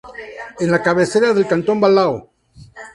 Es la cabecera del cantón Balao.